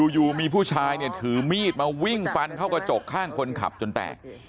อยู่มีผู้ชายเนี่ยถือมีดมาวิ่งฟันเข้ากระจกข้างคนขับจนแตก